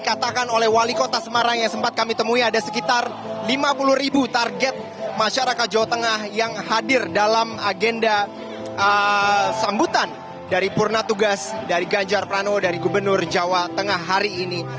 kita ditemui ada sekitar lima puluh ribu target masyarakat jawa tengah yang hadir dalam agenda sambutan dari purna tugas dari ganjar pranowo dari gubernur jawa tengah hari ini